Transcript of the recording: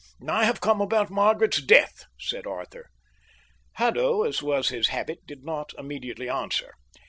"I have come about Margaret's death," said Arthur. Haddo, as was his habit, did not immediately answer.